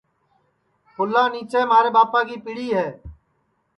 پُلا نیچے مھارے ٻاپا کی پیڑی ہے